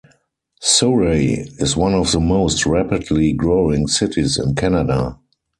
Surrey is one the the most rapidly growing cities in Canada.